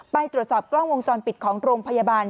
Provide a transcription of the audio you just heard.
ไปตรวจสอบกล้องวงจรปิดของโรงพยาบาล